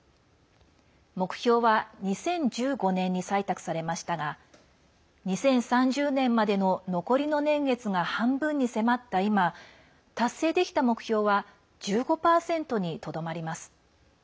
目標は２０１５年に採択されましたが２０３０年までの残りの年月が半分に迫った今達成できた目標は１５％にとどまります。